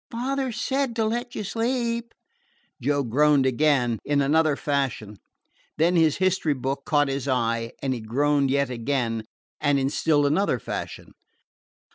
"Father said to let you sleep." Joe groaned again, in another fashion Then his history book caught his eye, and he groaned yet again and in still another fashion.